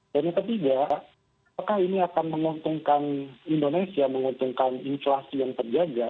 dan yang ketiga apakah ini akan menguntungkan indonesia menguntungkan insulasi yang terjaga